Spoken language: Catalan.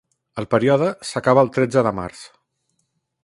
El període s'acaba el tretze de març.